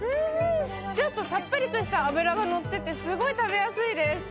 ちょっとさっぱりとした脂がのっててすごい食べやすいです。